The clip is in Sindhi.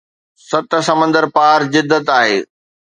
ست سمنڊ پار جدت آهي